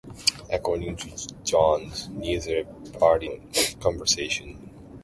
According to Jones, neither party ever revealed the contents of the conversation.